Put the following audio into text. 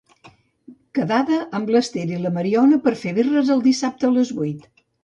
Quedada amb l'Esther i la Mariona per fer birres el dissabte a les vuit.